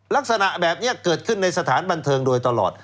ลักษณะแบบนี้เกิดขึ้นในสถานบันเทิงโดยตลอด